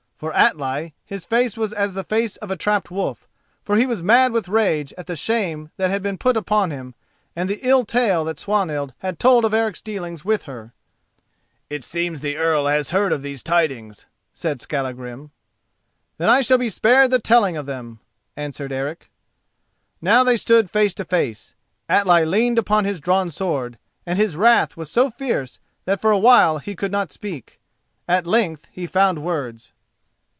For Atli, his face was as the face of a trapped wolf, for he was mad with rage at the shame that had been put upon him and the ill tale that Swanhild had told of Eric's dealings with her. "It seems that the Earl has heard of these tidings," said Skallagrim. "Then I shall be spared the telling of them," answered Eric. Now they stood face to face; Atli leaned upon his drawn sword, and his wrath was so fierce that for a while he could not speak. At length he found words.